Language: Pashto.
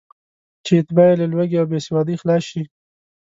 چې اتباع یې له لوږې او بېسوادۍ خلاص شي.